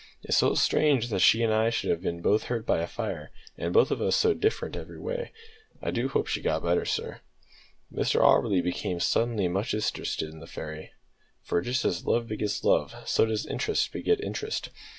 It's so strange that she and I should have been both hurt by a fire, an' both of us so different every way. I do hope she'll get better, sir." Mr Auberly became suddenly much interested in the fairy, for just as "love begets love," so does interest beget interest.